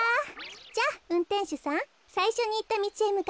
じゃあうんてんしゅさんさいしょにいったみちへむかってください。